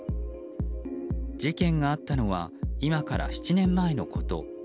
事件があったのは今から７年前のこと。